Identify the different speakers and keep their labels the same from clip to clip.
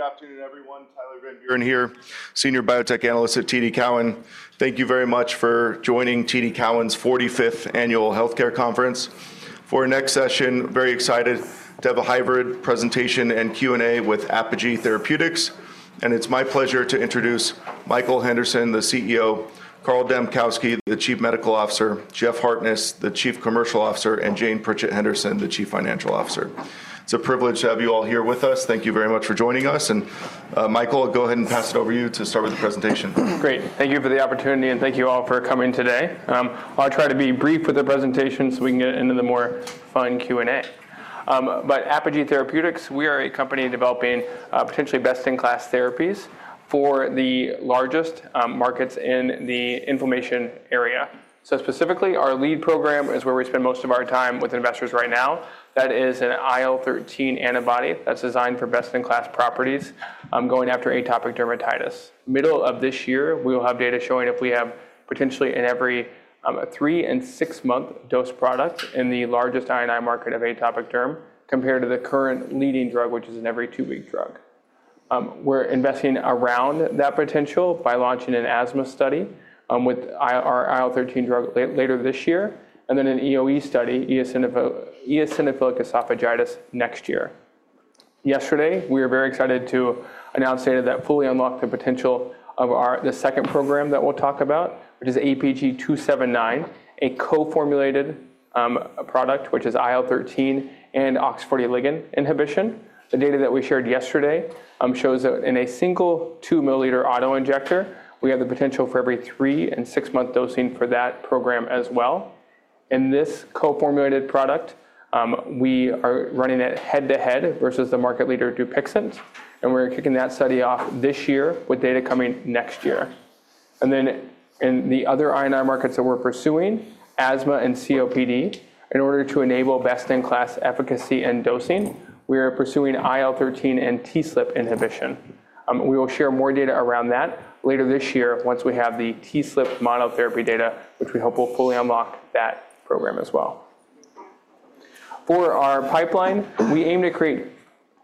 Speaker 1: Good afternoon, everyone. Tyler Van Buren here, Senior Biotech Analyst at TD Cowen. Thank you very much for joining TD Cowen's 45th Annual Healthcare Conference. For our next session, very excited to have a hybrid presentation and Q&A with Apogee Therapeutics, and it's my pleasure to introduce Michael Henderson, the CEO, Carl Dambkowski, the Chief Medical Officer, Jeff Hartness, the Chief Commercial Officer, and Jane Pritchett Henderson, the Chief Financial Officer. It's a privilege to have you all here with us. Thank you very much for joining us, and Michael, I'll go ahead and pass it over to you to start with the presentation.
Speaker 2: Great. Thank you for the opportunity, and thank you all for coming today. I'll try to be brief with the presentation so we can get into the more fun Q&A. But Apogee Therapeutics, we are a company developing potentially best-in-class therapies for the largest markets in the inflammation area. So specifically, our lead program is where we spend most of our time with investors right now. That is an IL-13 antibody that's designed for best-in-class properties going after atopic dermatitis. Middle of this year, we will have data showing if we have potentially an every three and six-month dose product in the largest I&I market of atopic derm compared to the current leading drug, which is an every two-week drug. We're investing around that potential by launching an asthma study with our IL-13 drug later this year, and then an EoE study, eosinophilic esophagitis, next year. Yesterday, we were very excited to announce data that fully unlocked the potential of the second program that we'll talk about, which is APG-279, a co-formulated product which is IL-13 and OX40L inhibition. The data that we shared yesterday shows that in a single two-milliliter autoinjector, we have the potential for every three-month and six-month dosing for that program as well. In this co-formulated product, we are running it head-to-head versus the market leader, Dupixent, and we're kicking that study off this year with data coming next year, and then in the other I&I markets that we're pursuing, asthma and COPD, in order to enable best-in-class efficacy and dosing, we are pursuing IL-13 and TSLP inhibition. We will share more data around that later this year once we have the TSLP monotherapy data, which we hope will fully unlock that program as well. For our pipeline, we aim to create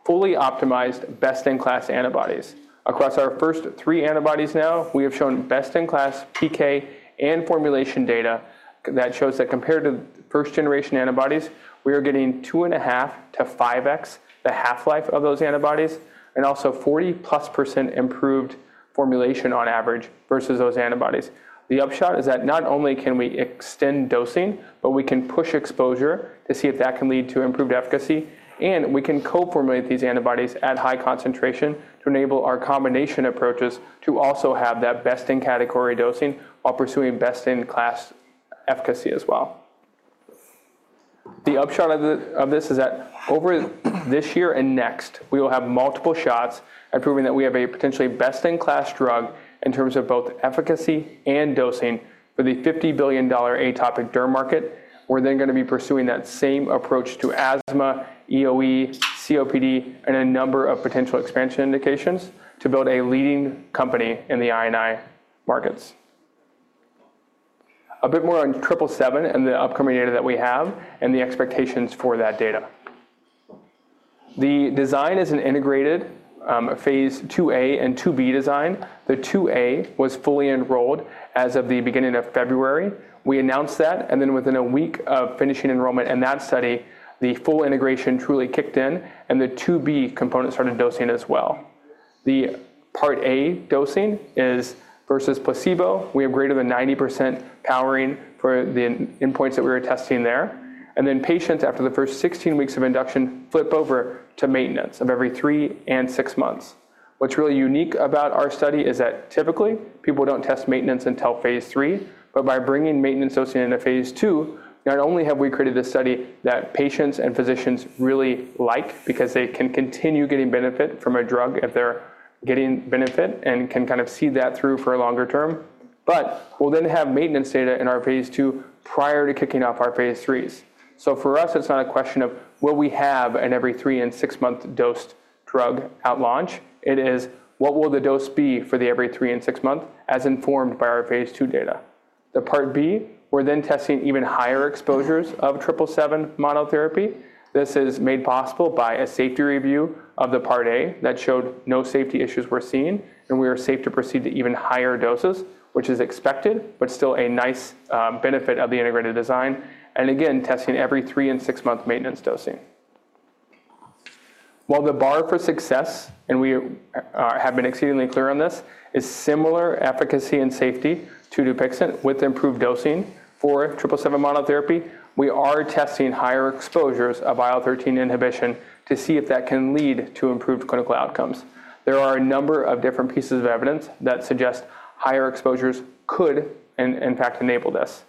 Speaker 2: fully optimized best-in-class antibodies. Across our first three antibodies now, we have shown best-in-class PK and formulation data that shows that compared to first-generation antibodies, we are getting 2.5-5x the half-life of those antibodies, and also 40%+ improved formulation on average versus those antibodies. The upshot is that not only can we extend dosing, but we can push exposure to see if that can lead to improved efficacy, and we can co-formulate these antibodies at high concentration to enable our combination approaches to also have that best-in-category dosing while pursuing best-in-class efficacy as well. The upshot of this is that over this year and next, we will have multiple shots and prove that we have a potentially best-in-class drug in terms of both efficacy and dosing for the $50 billion atopic derm market. We're then going to be pursuing that same approach to asthma, EoE, COPD, and a number of potential expansion indications to build a leading company in the I&I markets. A bit more on 777 and the upcoming data that we have and the expectations for that data. The design is an integrated phase II-A and phase II-B design. The phase II-A was fully enrolled as of the beginning of February. We announced that, and then within a week of finishing enrollment in that study, the full integration truly kicked in, and the phase II-B component started dosing as well. The part A dosing is versus placebo. We have greater than 90% powering for the endpoints that we were testing there, and then patients, after the first 16 weeks of induction, flip over to maintenance of every three and six months. What's really unique about our study is that typically people don't test maintenance until phase III, but by bringing maintenance dosing into phase II, not only have we created a study that patients and physicians really like because they can continue getting benefit from a drug if they're getting benefit and can kind of see that through for a longer term, but we'll then have maintenance data in our phase II prior to kicking off our phase III. So for us, it's not a question of will we have an every three and six-month dosed drug at launch. It is, what will the dose be for the every three and six month as informed by our phase II data? The part B, we're then testing even higher exposures of 777 monotherapy. This is made possible by a safety review of the part A that showed no safety issues were seen, and we are safe to proceed to even higher doses, which is expected, but still a nice benefit of the integrated design, and again, testing every three and six-month maintenance dosing. While the bar for success, and we have been exceedingly clear on this, is similar efficacy and safety to Dupixent with improved dosing for 777 monotherapy, we are testing higher exposures of IL-13 inhibition to see if that can lead to improved clinical outcomes. There are a number of different pieces of evidence that suggest higher exposures could, in fact, enable this.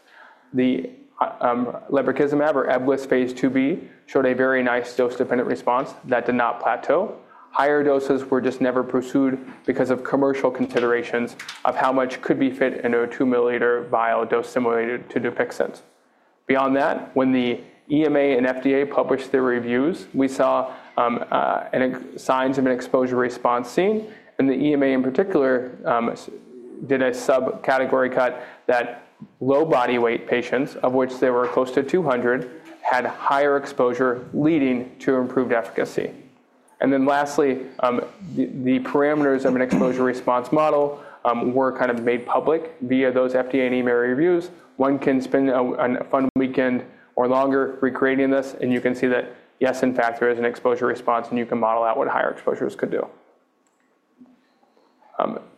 Speaker 2: The Lebrikizumab or Ebglyss phase II-B showed a very nice dose-dependent response that did not plateau. Higher doses were just never pursued because of commercial considerations of how much could be fit into a 2 mL vial, dosed similar to Dupixent. Beyond that, when the EMA and FDA published their reviews, we saw signs of an exposure-response seen, and the EMA in particular did a subcategory cut that low body weight patients, of which there were close to 200, had higher exposure leading to improved efficacy, and then lastly, the parameters of an exposure-response model were kind of made public via those FDA and EMA reviews. One can spend a fun weekend or longer recreating this, and you can see that, yes, in fact, there is an exposure-response, and you can model out what higher exposures could do.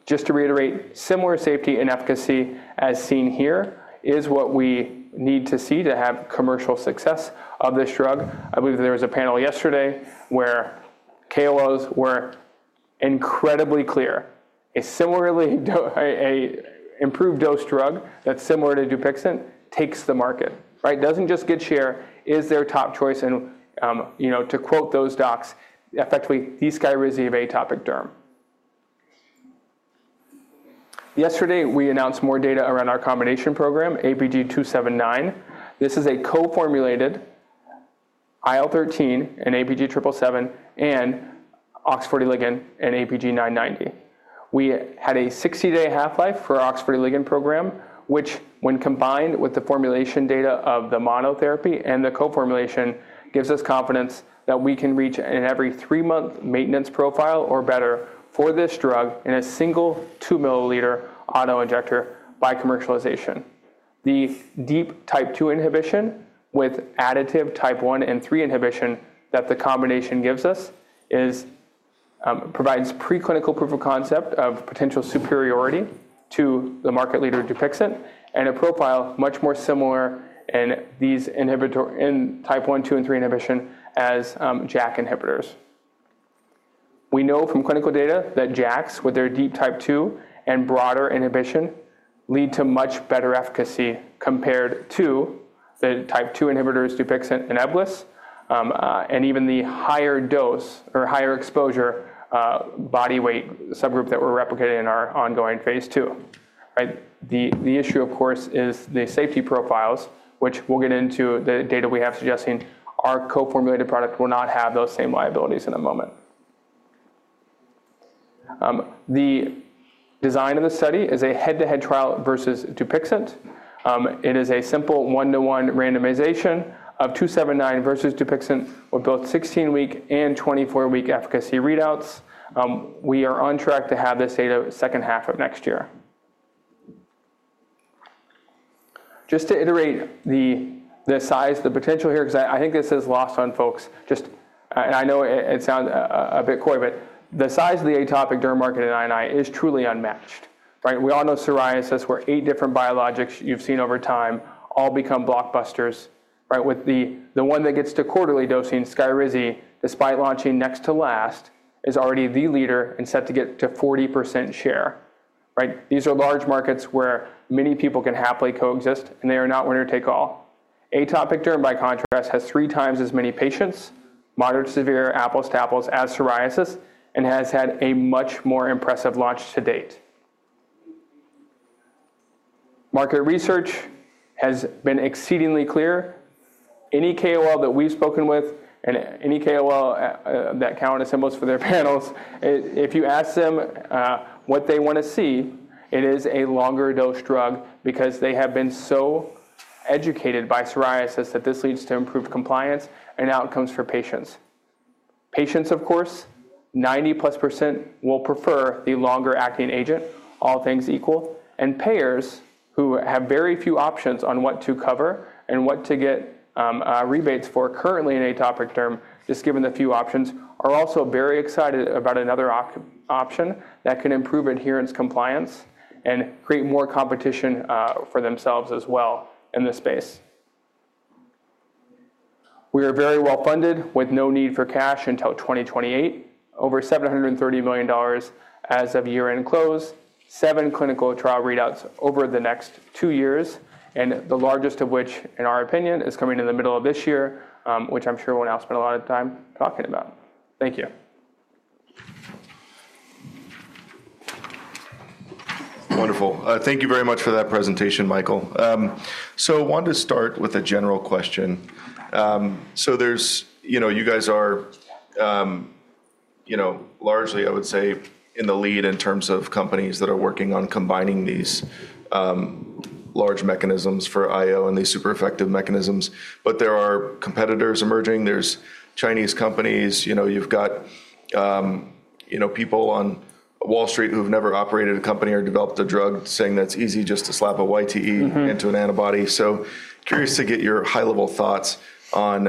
Speaker 2: Just to reiterate, similar safety and efficacy as seen here is what we need to see to have commercial success of this drug. I believe there was a panel yesterday where KOLs were incredibly clear. An improved dose drug that's similar to Dupixent takes the market, right? Doesn't just get share, is their top choice, and to quote those docs, effectively, the sky is the atopic derm. Yesterday, we announced more data around our combination program, APG-279. This is a co-formulated IL-13 and APG-777 and OX40 ligand and APG-990. We had a 60-day half-life for OX40 ligand program, which when combined with the formulation data of the monotherapy and the co-formulation gives us confidence that we can reach an every three-month maintenance profile, or better, for this drug in a single 2 mL autoinjector by commercialization. The deep type 2 inhibition with additive type 1 and 3 inhibition that the combination gives us provides pre-clinical proof of concept of potential superiority to the market leader, Dupixent, and a profile much more similar in type 1, 2, and 3 inhibition as JAK inhibitors. We know from clinical data that JAKs with their deep type 2 and broader inhibition lead to much better efficacy compared to the type 2 inhibitors, Dupixent and Ebglyss, and even the higher dose or higher exposure body weight subgroup that we're replicating in our ongoing phase II. The issue, of course, is the safety profiles, which we'll get into the data we have suggesting our co-formulated product will not have those same liabilities in a moment. The design of the study is a head-to-head trial versus Dupixent. It is a simple one-to-one randomization of 279 versus Dupixent with both 16-week and 24-week efficacy readouts. We are on track to have this data second half of next year. Just to iterate the size, the potential here, because I think this is lost on folks, just, and I know it sounds a bit coy, but the size of the atopic derm market in I&I is truly unmatched. We all know psoriasis where eight different biologics you've seen over time all become blockbusters. With the one that gets to quarterly dosing, Skyrizi, despite launching next to last, is already the leader and set to get to 40% share. These are large markets where many people can happily coexist, and they are not one to take all. Atopic derm, by contrast, has 3x as many patients, moderate to severe, apples to apples as psoriasis, and has had a much more impressive launch to date. Market research has been exceedingly clear. Any KOL that we've spoken with, and any KOL that consultants assemble for their panels, if you ask them what they want to see, it is a longer dose drug because they have been so educated by psoriasis that this leads to improved compliance and outcomes for patients. Patients, of course, 90%+ will prefer the longer-acting agent, all things equal, and payers who have very few options on what to cover and what to get rebates for currently in atopic derm, just given the few options, are also very excited about another option that can improve adherence compliance and create more competition for themselves as well in this space. We are very well funded with no need for cash until 2028, over $730 million as of year-end close, seven clinical trial readouts over the next two years, and the largest of which, in our opinion, is coming in the middle of this year, which I'm sure we'll now spend a lot of time talking about. Thank you.
Speaker 1: Wonderful. Thank you very much for that presentation, Michael, so I wanted to start with a general question, so you guys are largely, I would say, in the lead in terms of companies that are working on combining these large mechanisms for I&I and these super effective mechanisms, but there are competitors emerging. There's Chinese companies. You've got people on Wall Street who've never operated a company or developed a drug saying that's easy just to slap a YTE into an antibody, so curious to get your high-level thoughts on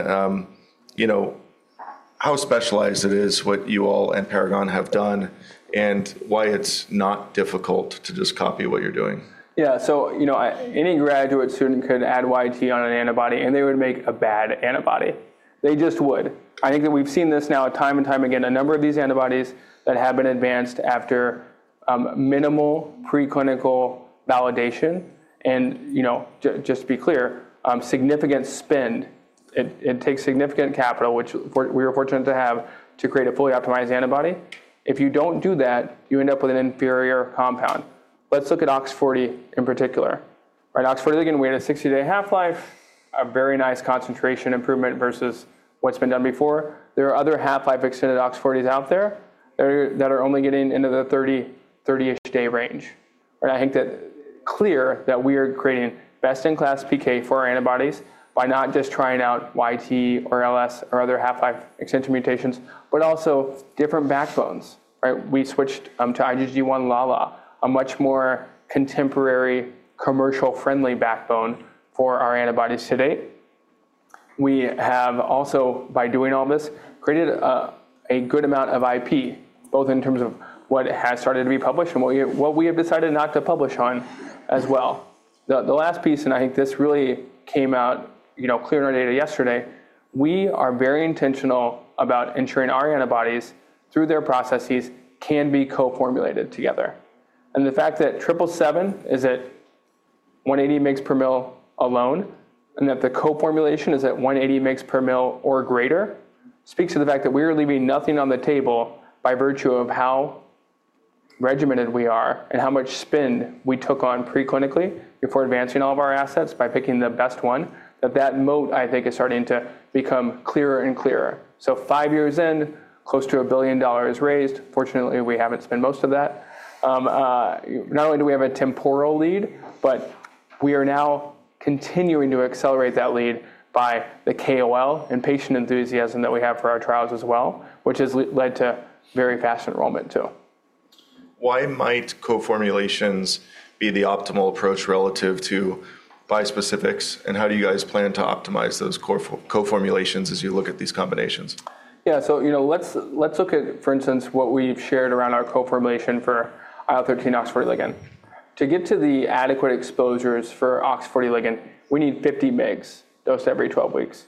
Speaker 1: how specialized it is, what you all and Paragon have done, and why it's not difficult to just copy what you're doing.
Speaker 2: Yeah. So any graduate student could add YTE on an antibody, and they would make a bad antibody. They just would. I think that we've seen this now time and time again, a number of these antibodies that have been advanced after minimal preclinical validation, and just to be clear, significant spend. It takes significant capital, which we are fortunate to have, to create a fully optimized antibody. If you don't do that, you end up with an inferior compound. Let's look at OX40L in particular. OX40L, again, we had a 60-day half-life, a very nice concentration improvement versus what's been done before. There are other half-life extended OX40Ls out there that are only getting into the 30-ish day range. I think it's clear that we are creating best-in-class PK for our antibodies by not just trying out YTE or LS or other half-life extension mutations, but also different backbones. We switched to IgG1 LALA, a much more contemporary commercial-friendly backbone for our antibodies today. We have also, by doing all this, created a good amount of IP, both in terms of what has started to be published and what we have decided not to publish on as well. The last piece, and I think this really came out clear in our data yesterday, we are very intentional about ensuring our antibodies through their processes can be co-formulated together. The fact that 777 is at 180 mg/mL alone and that the co-formulation is at 180 mg/mL or greater speaks to the fact that we are leaving nothing on the table by virtue of how regimented we are and how much spend we took on preclinically before advancing all of our assets by picking the best one, that that moat, I think, is starting to become clearer and clearer. Five years in, close to $1 billion raised. Fortunately, we haven't spent most of that. Not only do we have a temporal lead, but we are now continuing to accelerate that lead by the KOL and patient enthusiasm that we have for our trials as well, which has led to very fast enrollment too.
Speaker 1: Why might co-formulations be the optimal approach relative to bispecifics, and how do you guys plan to optimize those co-formulations as you look at these combinations?
Speaker 2: Yeah. So let's look at, for instance, what we've shared around our co-formulation for IL-13 OX40 ligand. To get to the adequate exposures for OX40 ligand, we need 50 mg dosed every 12 weeks.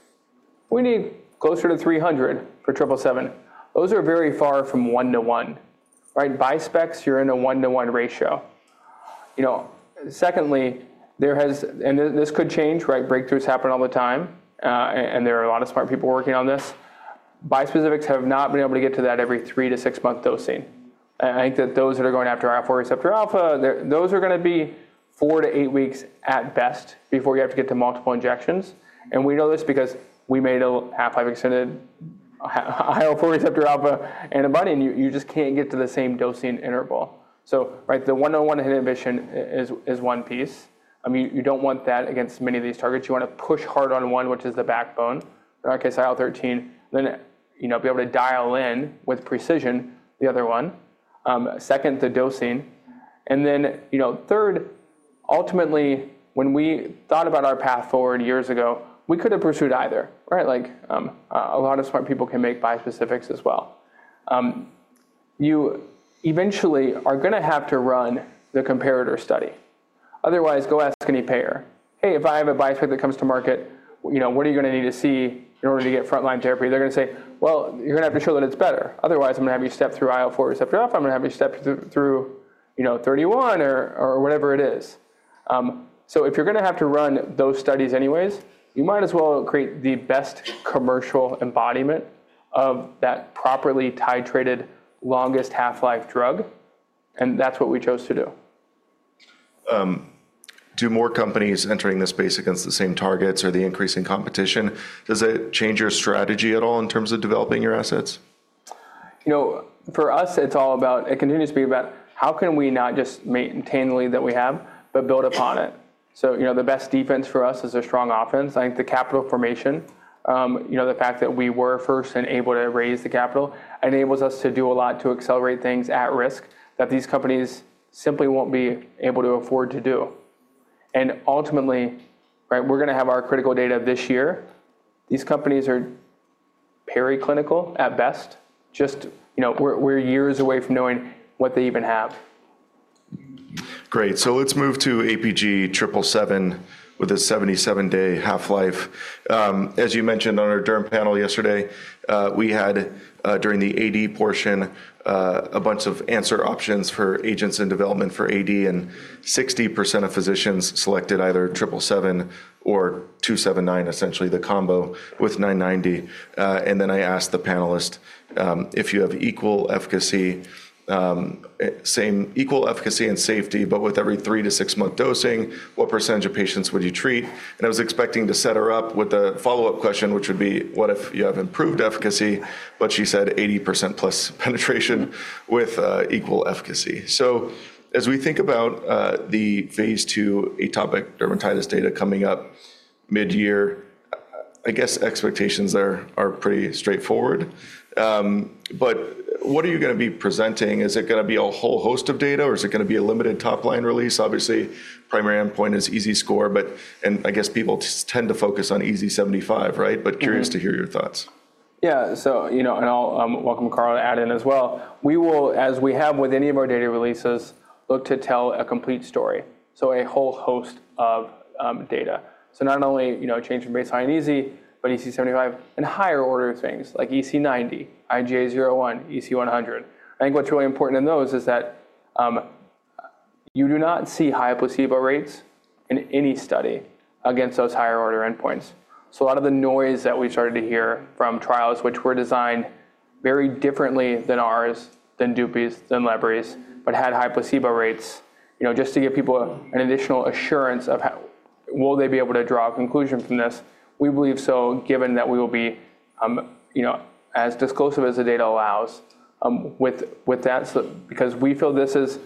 Speaker 2: We need closer to 300 for 777. Those are very far from one to one. Bispecifics, you're in a one to one ratio. Secondly, there has, and this could change, breakthroughs happen all the time, and there are a lot of smart people working on this. Bispecifics have not been able to get to that every three- to six-month dosing. I think that those that are going after IL-4 receptor alpha, those are going to be four-week to eight-week at best before you have to get to multiple injections. We know this because we made a half-life extended IL-4 receptor alpha antibody, and you just can't get to the same dosing interval. The one-on-one inhibition is one piece. You don't want that against many of these targets. You want to push hard on one, which is the backbone, in our case, IL-13, then be able to dial in with precision the other one. Second, the dosing. Third, ultimately, when we thought about our path forward years ago, we could have pursued either. A lot of smart people can make bispecifics as well. You eventually are going to have to run the comparator study. Otherwise, go ask any payer. Hey, if I have a bispecific that comes to market, what are you going to need to see in order to get frontline therapy? They're going to say, well, you're going to have to show that it's better. Otherwise, I'm going to have you step through IL-4 receptor alpha. I'm going to have you step through IL-13 or whatever it is. So if you're going to have to run those studies anyways, you might as well create the best commercial embodiment of that properly titrated longest half-life drug, and that's what we chose to do.
Speaker 1: Do more companies entering this space against the same targets or the increasing competition, does it change your strategy at all in terms of developing your assets?
Speaker 2: For us, it's all about, it continues to be about how can we not just maintain the lead that we have, but build upon it. So the best defense for us is a strong offense. I think the capital formation, the fact that we were first and able to raise the capital, enables us to do a lot to accelerate things at risk that these companies simply won't be able to afford to do. And ultimately, we're going to have our critical data this year. These companies are preclinical at best. We're years away from knowing what they even have.
Speaker 1: Great. So let's move to APG-777 with a 77-day half-life. As you mentioned on our derm panel yesterday, we had during the AD portion a bunch of answer options for agents in development for AD, and 60% of physicians selected either 777 or 279, essentially the combo with 990, and then I asked the panelists, if you have equal efficacy, same equal efficacy and safety, but with every three-month to six-month dosing, what percentage of patients would you treat, and I was expecting to set her up with a follow-up question, which would be, what if you have improved efficacy, but she said 80% plus penetration with equal efficacy, so as we think about the phase II atopic dermatitis data coming up mid-year, I guess expectations are pretty straightforward, but what are you going to be presenting? Is it going to be a whole host of data, or is it going to be a limited top-line release? Obviously, primary endpoint is EASI Score, but I guess people tend to focus on EASI-75, right? But curious to hear your thoughts.
Speaker 2: Yeah. And I'll welcome Carl to add in as well. We will, as we have with any of our data releases, look to tell a complete story. So a whole host of data. So not only change from baseline EASI, but EASI-75 and higher order things like EASI-90, IGA 0/1, EASI-100. I think what's really important in those is that you do not see high placebo rates in any study against those higher order endpoints. So a lot of the noise that we started to hear from trials, which were designed very differently than ours, than Dupixent's, than Lebrikizumab's, but had high placebo rates, just to give people an additional assurance of will they be able to draw a conclusion from this. We believe so, given that we will be as disclosive as the data allows with that, because we feel this is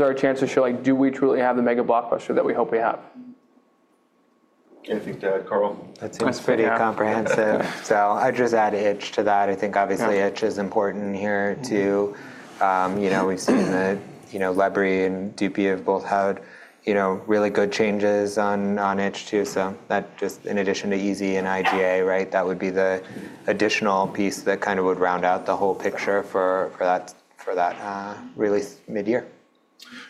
Speaker 2: our chance to show, do we truly have the mega blockbuster that we hope we have?
Speaker 1: Anything to add, Carl?
Speaker 3: That seems pretty comprehensive. So I'd just add itch to that. I think obviously itch is important here too. We've seen that Lebrikizumab and Dupixent have both had really good changes on itch too. So that just in addition to EASI and IGA, that would be the additional piece that kind of would round out the whole picture for that release mid-year.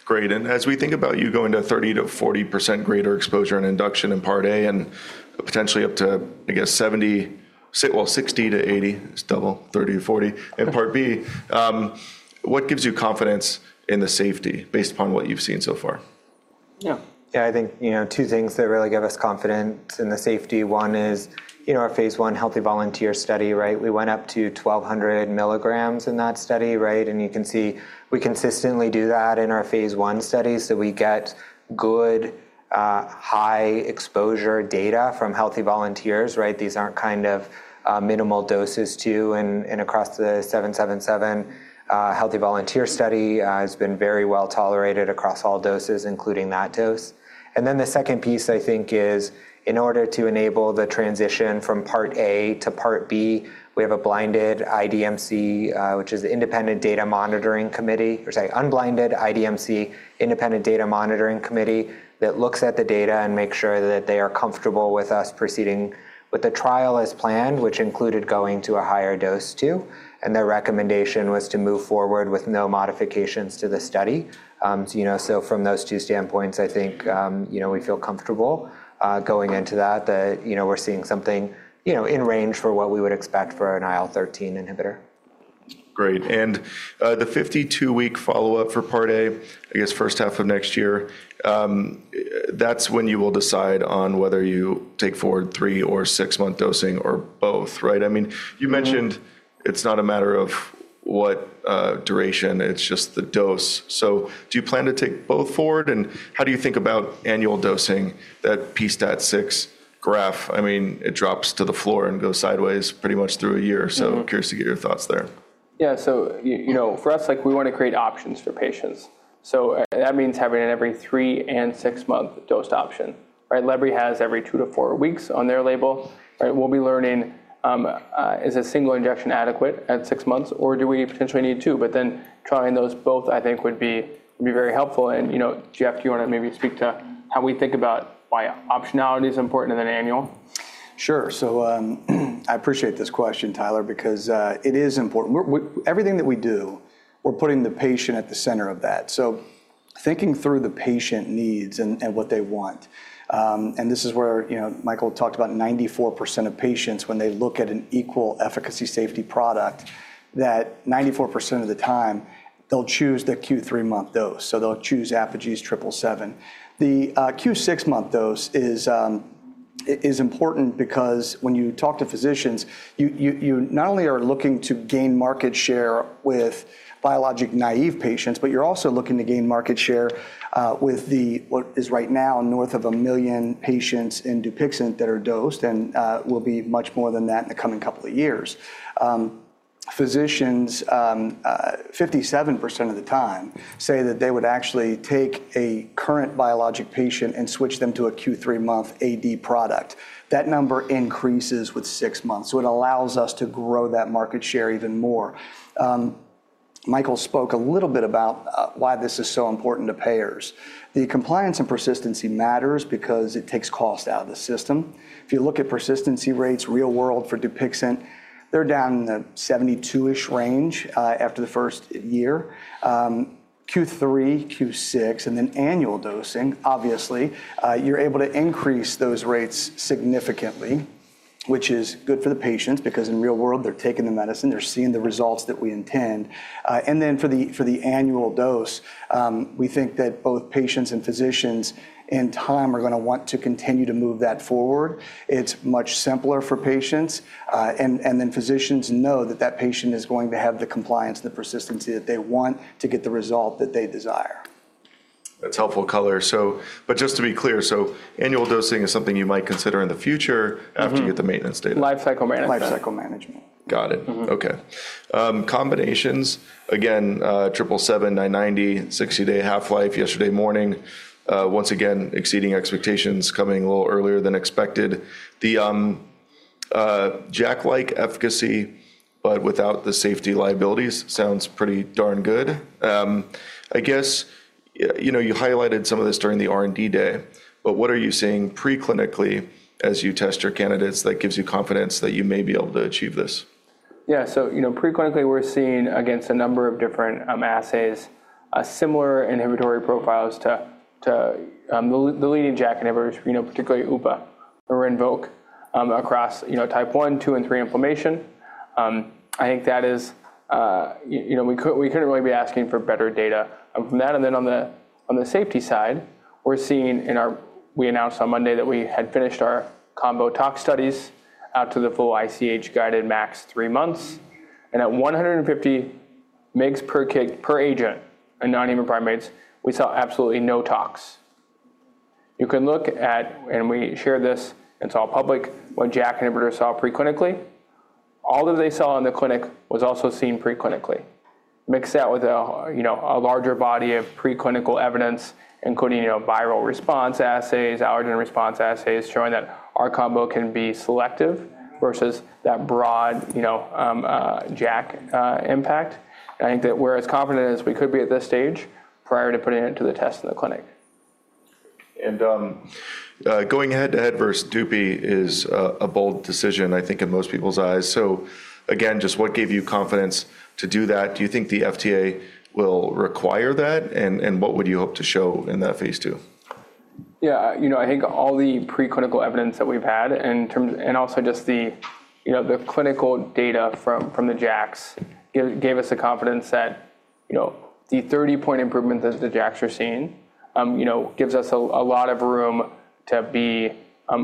Speaker 1: Great. And as we think about you going to 30%-40% greater exposure and induction in part A and potentially up to, I guess, 70%, well, 60%-80%, double 30%-40% in part B, what gives you confidence in the safety based upon what you've seen so far?
Speaker 2: Yeah. Yeah. I think two things that really give us confidence in the safety. One is our phase I healthy volunteer study. We went up to 1200 mg in that study. And you can see we consistently do that in our phase I studies. So we get good high exposure data from healthy volunteers. These aren't kind of minimal doses too. And across the 777 healthy volunteer study has been very well tolerated across all doses, including that dose. And then the second piece, I think, is in order to enable the transition from part A to part B, we have a blinded IDMC, which is the Independent Data Monitoring Committee, or sorry, unblinded IDMC, Independent Data Monitoring Committee that looks at the data and makes sure that they are comfortable with us proceeding with the trial as planned, which included going to a higher dose too. Their recommendation was to move forward with no modifications to the study. From those two standpoints, I think we feel comfortable going into that. We're seeing something in range for what we would expect for an IL-13 inhibitor.
Speaker 1: Great. And the 52-week follow-up for part A, I guess first half of next year, that's when you will decide on whether you take forward three-month or six-month dosing or both. I mean, you mentioned it's not a matter of what duration, it's just the dose. So do you plan to take both forward? And how do you think about annual dosing, that pSTAT6 graph? I mean, it drops to the floor and goes sideways pretty much through a year. So curious to get your thoughts there.
Speaker 2: Yeah. So for us, we want to create options for patients. So that means having an every three and six-month dose option. Lebrikizumab has every two to four weeks on their label. We'll be learning, is a single injection adequate at six months, or do we potentially need two? But then trying those both, I think, would be very helpful. And Jeff, do you want to maybe speak to how we think about why optionality is important in an annual?
Speaker 4: Sure. So I appreciate this question, Tyler, because it is important. Everything that we do, we're putting the patient at the center of that, so thinking through the patient needs and what they want, and this is where Michael talked about 94% of patients when they look at an equal efficacy safety product, that 94% of the time they'll choose the Q3 month dose, so they'll choose Apogee's 777. The Q6 month dose is important because when you talk to physicians, you not only are looking to gain market share with biologic naive patients, but you're also looking to gain market share with what is right now north of a million patients in Dupixent that are dosed and will be much more than that in the coming couple of years. Physicians, 57% of the time say that they would actually take a current biologic patient and switch them to a Q3 month AD product. That number increases with six months, so it allows us to grow that market share even more. Michael spoke a little bit about why this is so important to payers. The compliance and persistency matters because it takes cost out of the system. If you look at persistency rates real world for Dupixent, they're down in the 72-ish range after the first year. Q3, Q6, and then annual dosing, obviously, you're able to increase those rates significantly, which is good for the patients because in real world, they're taking the medicine, they're seeing the results that we intend, and then for the annual dose, we think that both patients and physicians in time are going to want to continue to move that forward. It's much simpler for patients, and then physicians know that that patient is going to have the compliance and the persistency that they want to get the result that they desire.
Speaker 1: That's helpful, color. But just to be clear, so annual dosing is something you might consider in the future after you get the maintenance data?
Speaker 2: Lifecycle management.
Speaker 1: Lifecycle management. Got it. Okay. Combinations, again, 777, 990, 60-day half-life yesterday morning, once again, exceeding expectations, coming a little earlier than expected. The JAK-like efficacy, but without the safety liabilities sounds pretty darn good. I guess you highlighted some of this during the R&D day, but what are you seeing preclinically as you test your candidates that gives you confidence that you may be able to achieve this?
Speaker 2: Yeah. So preclinically, we're seeing against a number of different assays, similar inhibitory profiles to the leading JAK inhibitors, particularly Upa or Rinvoq across type one, two, and three inflammation. I think that's. We couldn't really be asking for better data from that. And then on the safety side, we're seeing. We announced on Monday that we had finished our combo tox studies out to the full ICH guided max three months. And at 150 mg per agent in non-human primates, we saw absolutely no tox. You can look at, and we shared this as our public, what JAK inhibitors saw preclinically. All that they saw in the clinic was also seen preclinically. Mix that with a larger body of preclinical evidence, including viral response assays, allergen response assays showing that our combo can be selective versus that broad JAK impact. I think that we're as confident as we could be at this stage prior to putting it to the test in the clinic.
Speaker 1: Going head-to-head versus Dupi is a bold decision, I think, in most people's eyes. Again, just what gave you confidence to do that? Do you think the FDA will require that? What would you hope to show in that phase II?
Speaker 2: Yeah. I think all the preclinical evidence that we've had and also just the clinical data from the JAKs gave us the confidence that the 30-point improvement that the JAKs are seeing gives us a lot of room to be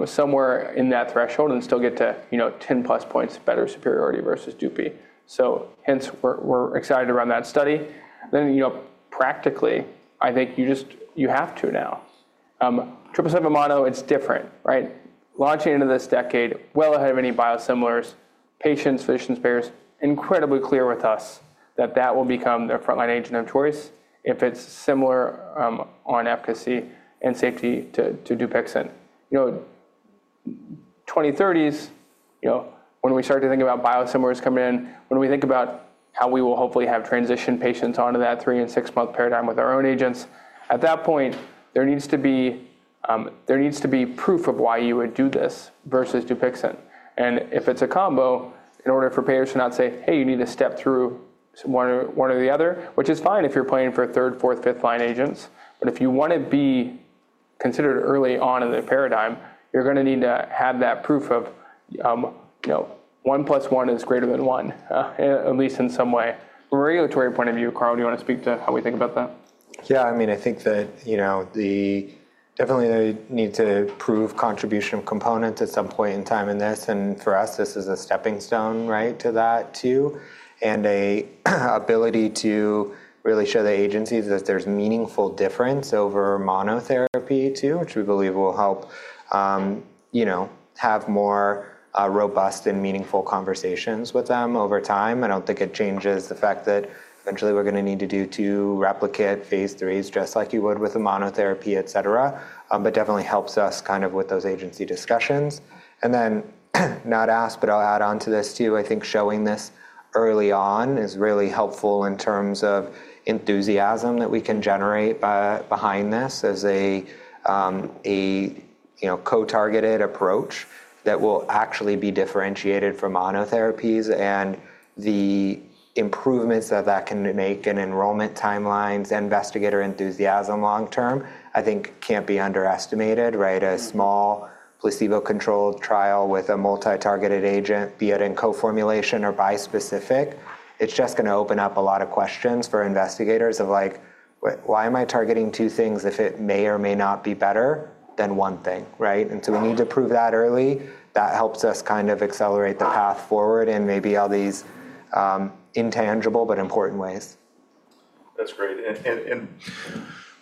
Speaker 2: somewhere in that threshold and still get to 10-plus points better superiority versus Dupi. So hence, we're excited around that study. Then practically, I think you have to now 777 mono. It's different. Launching into this decade, well ahead of any biosimilars, patients, physicians, payers, incredibly clear with us that that will become their frontline agent of choice if it's similar on efficacy and safety to Dupixent. 2030s, when we start to think about biosimilars coming in, when we think about how we will hopefully have transition patients onto that three-month and six-month paradigm with our own agents, at that point, there needs to be proof of why you would do this versus Dupixent, and if it's a combo, in order for payers to not say, "Hey, you need to step through one or the other," which is fine if you're playing for third, fourth, fifth line agents, but if you want to be considered early on in the paradigm, you're going to need to have that proof of one plus one is greater than one, at least in some way. From a regulatory point of view, Carl, do you want to speak to how we think about that?
Speaker 3: Yeah. I mean, I think that definitely they need to prove contribution of components at some point in time in this. And for us, this is a stepping stone to that too and an ability to really show the agencies that there's meaningful difference over monotherapy too, which we believe will help have more robust and meaningful conversations with them over time. I don't think it changes the fact that eventually we're going to need to do two replicate phase III just like you would with the monotherapy, et cetera, but definitely helps us kind of with those agency discussions. And then not asked, but I'll add on to this too. I think showing this early on is really helpful in terms of enthusiasm that we can generate behind this as a co-targeted approach that will actually be differentiated from monotherapies. The improvements that can make in enrollment timelines, investigator enthusiasm long term, I think can't be underestimated. A small placebo-controlled trial with a multi-targeted agent, be it in co-formulation or bispecific, it's just going to open up a lot of questions for investigators of like, "Why am I targeting two things if it may or may not be better than one thing?" So we need to prove that early. That helps us kind of accelerate the path forward in maybe all these intangible but important ways.
Speaker 1: That's great. And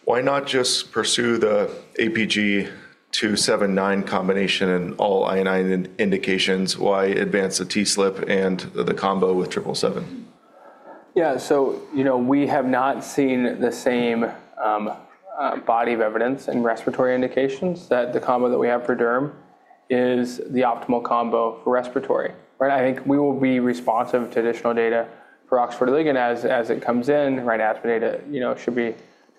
Speaker 1: why not just pursue the APG-279 combination in all I&I indications? Why advance the TSLP and the combo with 777?
Speaker 2: Yeah. So we have not seen the same body of evidence in respiratory indications that the combo that we have for Derm is the optimal combo for respiratory. I think we will be responsive to additional data for OX40 ligand as it comes in. Asthma data should be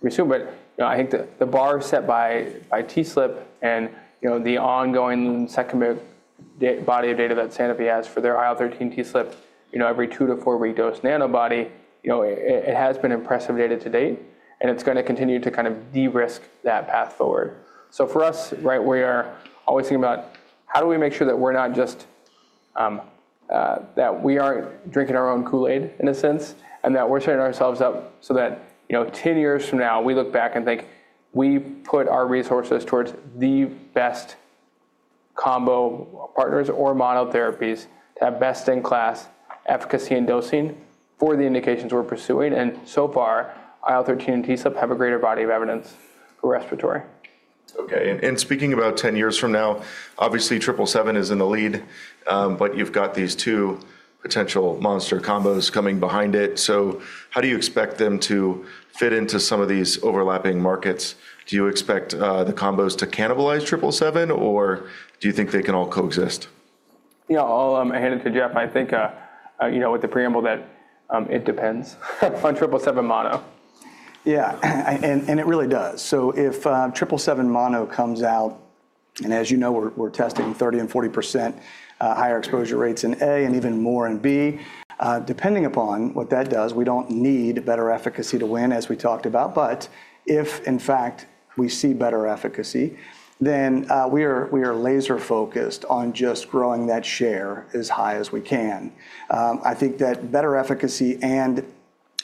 Speaker 2: soon. But I think the bar set by TSLP and the ongoing secondary body of data that Sanofi has for their IL-13 TSLP every two to four-week dose nanobody, it has been impressive data to date. And it's going to continue to kind of de-risk that path forward. For us, we are always thinking about how do we make sure that we're not just that we aren't drinking our own Kool-Aid in a sense and that we're setting ourselves up so that 10 years from now, we look back and think we put our resources towards the best combo partners or monotherapies to have best-in-class efficacy and dosing for the indications we're pursuing. So far, IL-13 and TSLP have a greater body of evidence for respiratory.
Speaker 1: Okay, and speaking about 10 years from now, obviously, 777 is in the lead, but you've got these two potential monster combos coming behind it, so how do you expect them to fit into some of these overlapping markets? Do you expect the combos to cannibalize 777, or do you think they can all coexist?
Speaker 2: Yeah. I'll hand it to Jeff. I think with the preamble that it depends on 777 Mono.
Speaker 4: Yeah. And it really does. So if 777 Mono comes out, and as you know, we're testing 30% and 40% higher exposure rates in A and even more in B. Depending upon what that does, we don't need better efficacy to win, as we talked about. But if in fact we see better efficacy, then we are laser-focused on just growing that share as high as we can. I think that better efficacy and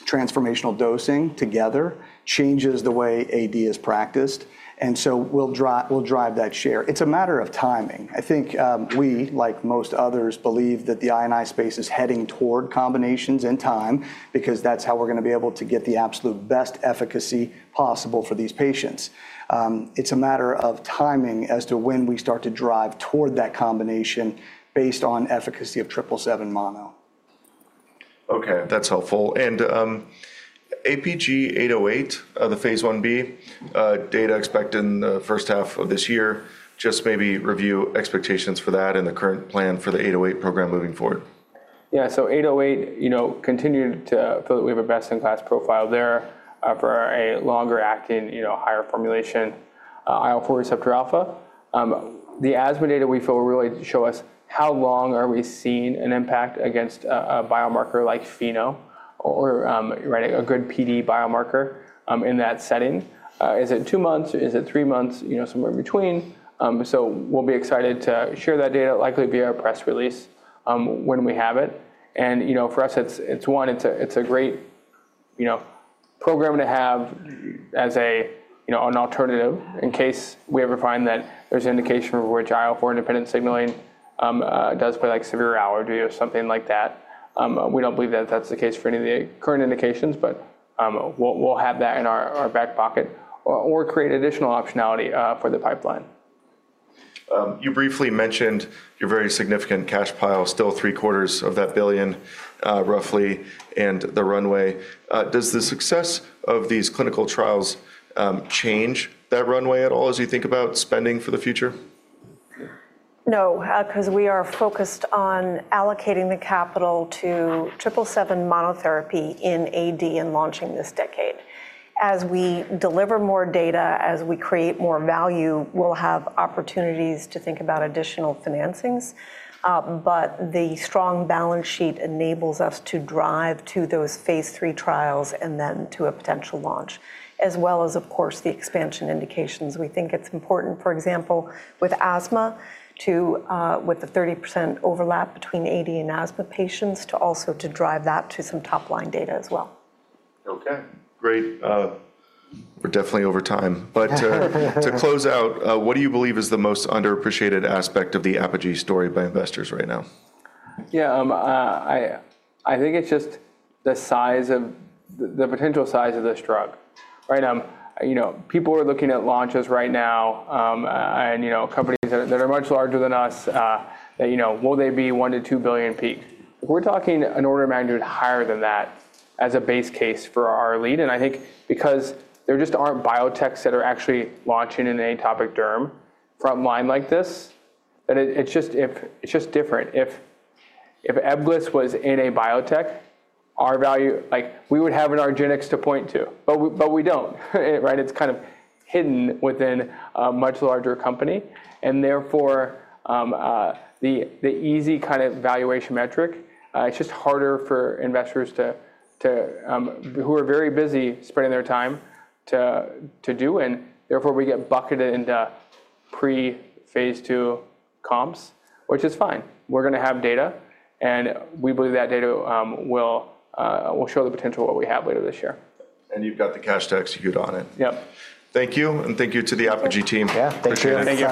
Speaker 4: transformational dosing together changes the way AD is practiced. And so we'll drive that share. It's a matter of timing. I think we, like most others, believe that the I&I space is heading toward combinations in time because that's how we're going to be able to get the absolute best efficacy possible for these patients. It's a matter of timing as to when we start to drive toward that combination based on efficacy of 777 Mono.
Speaker 1: Okay. That's helpful. And APG-808, the phase II-B data expected in the first half of this year, just maybe review expectations for that and the current plan for the 808 program moving forward?
Speaker 2: Yeah. So APG-808, we continue to feel that we have a best-in-class profile there for a longer-acting higher formulation IL-4 receptor alpha. The asthma data we feel will really show us how long are we seeing an impact against a biomarker like FeNO or a good PD biomarker in that setting. Is it two months? Is it three months? Somewhere in between. So we'll be excited to share that data, likely via a press release when we have it. And for us, it's one, it's a great program to have as an alternative in case we ever find that there's an indication for which IL-4 independent signaling does play like severe allergy or something like that. We don't believe that that's the case for any of the current indications, but we'll have that in our back pocket or create additional optionality for the pipeline.
Speaker 1: You briefly mentioned your very significant cash pile, still $750 million roughly, and the runway. Does the success of these clinical trials change that runway at all as you think about spending for the future?
Speaker 5: No. Because we are focused on allocating the capital to 777 Monotherapy in AD and launching this decade. As we deliver more data, as we create more value, we'll have opportunities to think about additional financings. But the strong balance sheet enables us to drive to those phase III trials and then to a potential launch, as well as, of course, the expansion indications. We think it's important, for example, with asthma, with the 30% overlap between AD and asthma patients, to also drive that to some top-line data as well.
Speaker 1: Okay. Great. We're definitely over time. But to close out, what do you believe is the most underappreciated aspect of the Apogee story by investors right now?
Speaker 2: Yeah. I think it's just the potential size of this drug. People are looking at launches right now and companies that are much larger than us, will they be one to two billion peak? We're talking an order of magnitude higher than that as a base case for our lead. And I think because there just aren't biotechs that are actually launching an atopic derm front line like this, it's just different. If Ebglyss was in a biotech, we would have an argenx to point to, but we don't. It's kind of hidden within a much larger company. And therefore, the easy kind of valuation metric, it's just harder for investors who are very busy spending their time to do. And therefore, we get bucketed into pre-phase II comps, which is fine. We're going to have data, and we believe that data will show the potential of what we have later this year.
Speaker 1: You've got the cash to execute on it.
Speaker 2: Yep.
Speaker 1: Thank you. And thank you to the Apogee team.
Speaker 2: Yeah. Thank you.